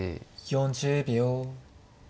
４０秒。